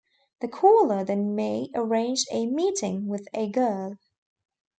The caller then may arrange a meeting with a girl.